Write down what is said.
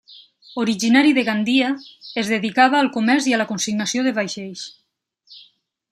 Originari de Gandia, es dedicava al comerç i a la consignació de vaixells.